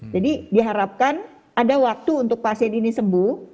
jadi diharapkan ada waktu untuk pasien ini sembuh